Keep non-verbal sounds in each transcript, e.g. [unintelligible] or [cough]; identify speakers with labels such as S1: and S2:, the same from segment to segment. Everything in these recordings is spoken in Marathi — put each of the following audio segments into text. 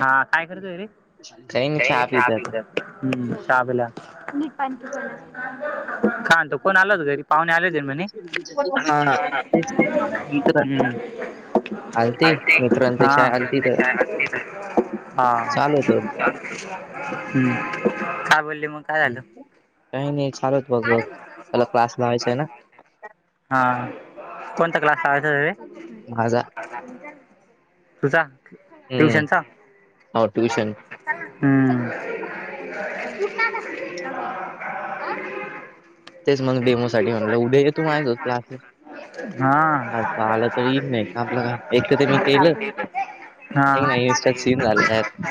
S1: हा काय करतोय रे. काही नाही चहा पितोय. हम्म चहा पिला.
S2: [inaudible]
S1: खातर कोण आलं होतं घरी पाहुणे आलेत म्हणे. [inaudible] [inaudible]
S2: हा तेच मित्र आलते मित्रांचे चहा आलती तर
S1: हा हम्
S2: चालू होत
S1: काय बोलली मग. [inaudible] काय झालं.
S2: काही नाही चालूत बघ बघ त्याला क्लास लावायचा आहे ना
S1: हा कोणता क्लास लावायचा रे?
S2: माझा
S1: तुझ
S2: हम्म
S1: ट्यूशनचा.
S2: हो ट्युशन
S1: [inaudible] हम्म.
S2: तेच मग डेमो साठी म्हणलं उद्या ये
S1: हा.
S2: तू माझ्यासोबत क्लासला आला तर येईल नाही
S1: [inaudible]
S2: आपलं काय एकं ते मी
S1: सावण्यात
S2: केलं. एक नाही सीन झालेत.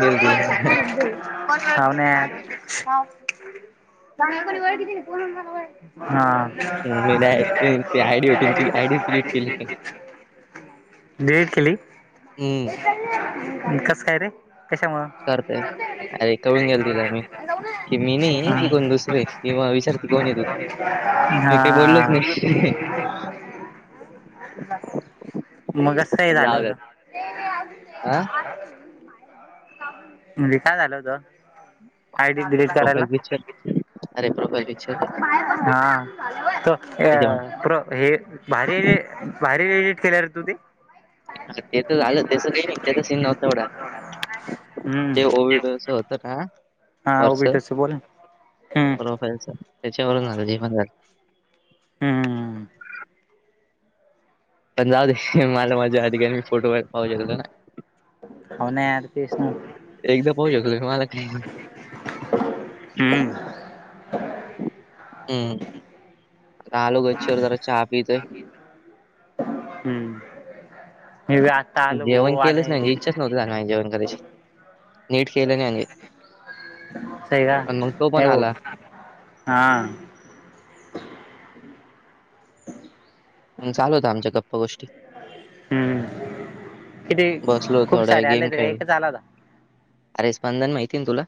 S2: गेलं तिला
S1: [inaudible] [unintelligible]
S2: मी डाय
S1: [inaudible]
S2: ती आयडी होती ती आयडीच डिलीट केली
S1: हा. डिलीट केली
S2: हम्म
S1: कसं काय रे कशामुळं.
S2: करतय अरे
S1: [inaudible]
S2: कळून गेल तिला मी की मी नाही की कोण दुसरे किंवा विचारते कोण आहे तू मी
S1: हा.
S2: काही बोललोच नाही
S1: [inaudible]
S2: [unintelligible]
S1: [unintelligible] मग असं काय
S2: पण
S1: झालं
S2: जाऊ द्यात
S1: होतं.
S2: हा
S1: म्हणजे काय झालं होतं. आयडी डिलीट करायला
S2: प्रोफाईल पिक्चर अरे प्रोफाईल पिक्चर रे
S1: हा.
S2: त्याच्यामुळे
S1: प्रो हे भारी भारी इडीट केल रं तु ते.
S2: अरं तेच झालं त्याचं काही नाही त्याचा सीन नव्हता एवढा. ते
S1: हम्म
S2: ओविडोच होतं ना
S1: हा
S2: वरच
S1: ओबीटच बोला हम्म
S2: प्रोफाइलच त्याच्यावरून जे पण घडलं.
S1: हम्म.
S2: पण जाऊ दे मला माझ्या अधी मी फोटो काढु पाहू शकतो ना
S1: होना यार तेच ना.
S2: एकदा पाहू शकलो मी मला काय
S1: हम्म.
S2: हम्म. आता आलो गच्चीवर जरा चहा पीतोय.
S1: हम्म मी बी आता आलो
S2: जेवण
S1: भाऊ
S2: केलंच नाही. इच्छाच नव्हती जेवण करायची. नीट केलं नाही.
S1: सही का
S2: आणि मग तो पण
S1: नाही भाऊ
S2: आला
S1: हा.
S2: मग चालू होत्या आमच्या गप्प गोष्टी.
S1: हम्म किती
S2: बसलो
S1: खूप
S2: थोडं
S1: सारे आले
S2: गेम
S1: ते का
S2: खेळलो
S1: एकच आला होता.
S2: अरे स्पंदन माहिती आहे ना तुला.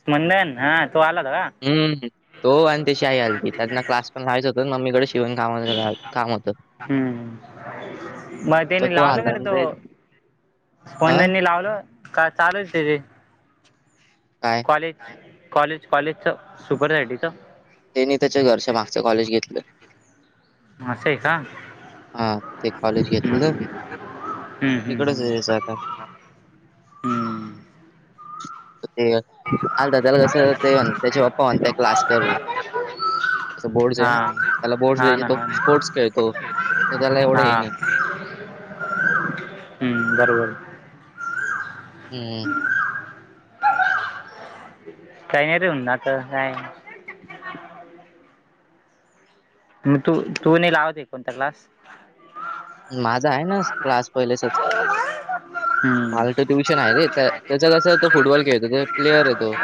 S1: स्पंदन हा तो आला होता का
S2: हम्म. तो आणि त्याची आई आलती. त्यांना क्लास माहीत होतं. ममी कडं शिवन काम काम होतं.
S1: हम्म म
S2: तर
S1: त्यांनी
S2: तो
S1: लावलं
S2: आलता
S1: का रे
S2: आणि
S1: तो
S2: ते हां?
S1: स्पंदननी लावलं का चालूच आहे ते.
S2: काय?
S1: कॉलेज कॉलेज कॉलेजचं सुपर आयडीचं.
S2: त्यांनी त्याच्या घरच्या मागचं कॉलेज घेतलं.
S1: असय का.
S2: हां. ते कॉलेज घेतलं. मग
S1: हम्म.
S2: तिकडंच आहे त्याचं आता.
S1: [unintelligible]
S2: आल ददाला
S1: हा
S2: कस ते त्याचे पप्पा म्हणताय क्लास कर. अस बोर्डस आहे ना त्याला बोर्डस
S1: हा
S2: द्यायचे
S1: ना
S2: तो
S1: हा ना
S2: स्पोर्ट्स खेळतो. तर त्याला एवढं
S1: हा
S2: हे नाही.
S1: हम्म बरोबर.
S2: हम्म.
S1: काही नाही रे होन ना तर काय? मग तू तू नाही लावते कोणता क्लास?
S2: माझा आहे ना क्लास पहिलेसच.
S1: हम्म
S2: मला तो ट्युशन आहे रे त्याचा कसं तो फुटबॉल खेळतो प्लेयर आहे तो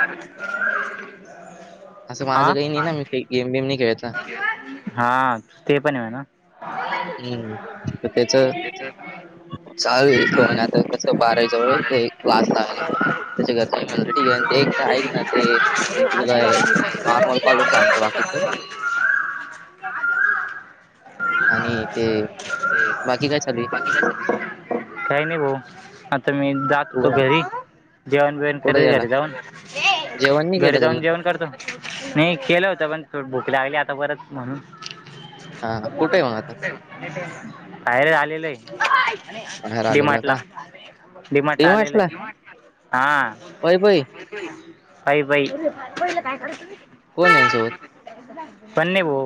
S2: असं माझं
S1: हा
S2: काही नाही ना मी का गेम बेम
S1: हा ते पण आहे म्हणा.
S2: हम्म तर त्याचं
S1: ते तर.
S2: चालू आहे तो आणि
S1: आवास
S2: आता कसं बारावी जवळ आहे तर एक क्लास लावायला त्याच्या घरच्यांनी म्हणलं ठीक आहे आणि ते एक तर ऐक ना ते मी तुला नॉर्मल
S1: [unintelligible]
S2: कॉलवर सांगतो बाकीचं. आणि ते बाकी काय चालली
S1: काही नाही भाऊ आता मी जात
S2: तू
S1: होतो घरी जेवण बेवण
S2: कुठं
S1: करते
S2: गेला
S1: घरी जाऊन
S2: जेवण नाही केलं
S1: घरी
S2: का तू
S1: जाऊन जेवण करतो. नाही केलं होत पण थोडी भूक लागली आता परत म्हणून.
S2: हा कुठे आहे मग आता
S1: [unintelligible] तयर आलेलं आहे
S2: बाहेर आलेला
S1: डीमार्ट ला.
S2: का
S1: डीमार्ट ला आलेले
S2: डीमार्टला
S1: आहे हा.
S2: पै पै
S1: बाई बाई.
S2: कोण यां सोबत
S1: पण नाही हो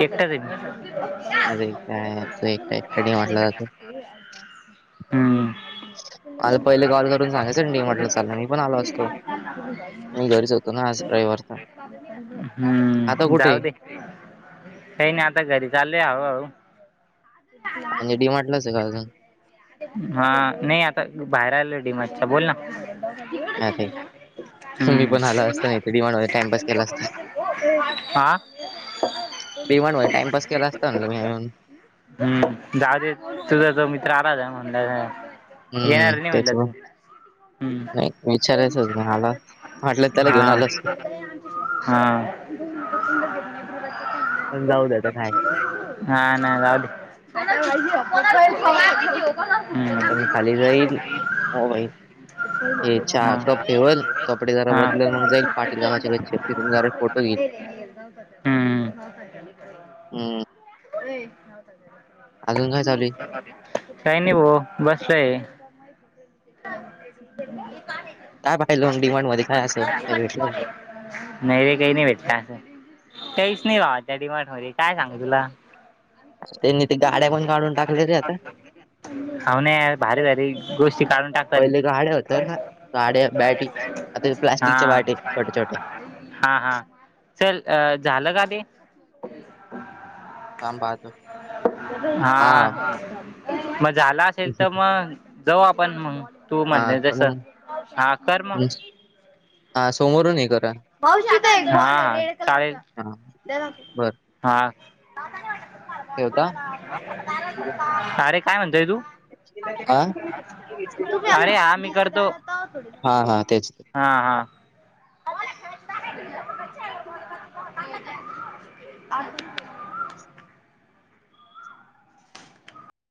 S1: एकटाच आहे.
S2: अरे काय अस एक्टडी
S1: मी
S2: म्हटलं जातं.
S1: हम्म.
S2: ह. मला पहिले कॉल करून सांगाचं म्हटलं ला मी पण आलो असतो मी घरीच होतो ना आज रविवार.
S1: [unintelligible] हम्म जाऊ
S2: आहे?
S1: दे काही नाही आता घरी चालले हा-
S2: आणि डीमार्टलाच आहे का अजून.
S1: हा नाही आता बाहेर आलं डीमार्ट बोल ना
S2: अरे मी
S1: हम्म
S2: पण आला असता नाही तर डिमांड मध्ये टाइमपास केला असता
S1: आ
S2: डिमांड मध्ये टाइमपास केला असता म्हणलं मी येऊन
S1: [unintelligible] हम्म जाऊ तुझा तो मित्र आला म्हण.
S2: हम्म
S1: येणार नाही
S2: तेच
S1: म्हणला तू
S2: मग
S1: हम्म
S2: नाही विचारायचंच नाही आला म्हटलं त्याला घेऊन
S1: हा
S2: आलो असतो
S1: हा
S2: पण जाऊ दे आता काय
S1: ह. [unintelligible] हो का ना.
S2: आता मी खाली जाईल मोईल. हे हा कप ठेवाल कपडे जरा
S1: हा
S2: बदलेल मग जाईल पाटीलकाचेचछ तिथून जरा फोटो घेईल.
S1: हम्.
S2: हम्म अजून काय चालू आहे?
S1: अ काही नाही भाउ बसलोय.
S2: काय पाय लो डिमांड मध्ये काय असं काय भेटलं.
S1: नाहीैरे काही नाही भेटला असं त्याहीच नाही बा त्या डिमार्ट मध्ये काय सांग तुला
S2: त्यांनी ते गाड्या पण काढून टाकलेली आता.
S1: अवन भारी भारी गोष्टी काढून टाक
S2: पहिले गाड्या होत्या
S1: [unintelligible]
S2: बरं का गाड्या बॅटी आता
S1: हा
S2: प्लास्टिकच्या बॅटी छोट्या छोट्या
S1: [unintelligible] हा हा. चल अ झालं का ते?
S2: काम पाहतो
S1: [unintelligible] हा. मग झाला असेल तर मग जाऊ आपण मग. तू
S2: हा
S1: म्हणलं
S2: तर
S1: जस.
S2: मग
S1: हा कर मग.
S2: हा समोरून हे करूया.
S1: हा चालेल.
S2: हा बर
S1: हा
S2: ठेवतो हा.
S1: अरे काय म्हण
S2: [unintelligible] आ
S1: अरे हा मी
S2: [unintelligible] हा हा तेच.
S1: हां हा. [unintelligible] अ [unintelligible]